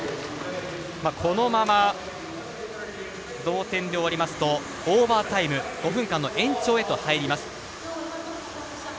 このまま、同点で終わりますとオーバータイム、５分間の延長へと入ります。